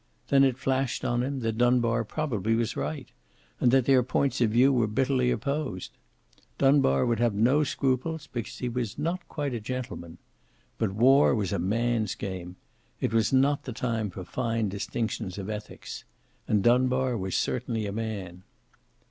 Then it flashed on him that Dunbar probably was right, and that their points of view were bitterly opposed. Dunbar would have no scruples, because he was not quite a gentleman. But war was a man's game. It was not the time for fine distinctions of ethics. And Dunbar was certainly a man.